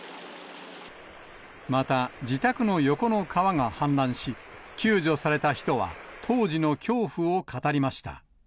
また、自宅の横の川が氾濫し、救助された人は、当時の恐怖を語りました。